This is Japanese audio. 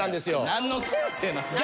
なんの先生なんですか？